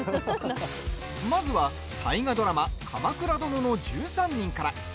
まずは、大河ドラマ「鎌倉殿の１３人」から。